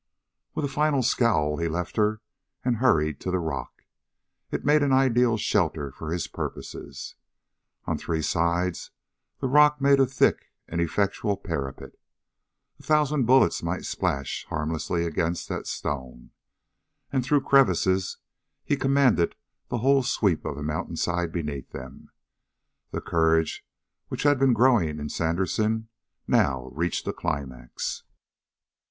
With a final scowl he left her and hurried to the rock. It made an ideal shelter for his purposes. On three sides, the rock made a thick and effectual parapet. A thousand bullets might splash harmlessly against that stone; and through crevices he commanded the whole sweep of the mountainside beneath them. The courage which had been growing in Sandersen, now reached a climax.